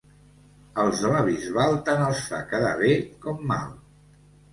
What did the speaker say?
Als de la Bisbal tant els fa quedar bé com mal.